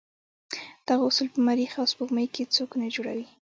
دغه اصول په مریخ او سپوږمۍ کې څوک نه جوړوي.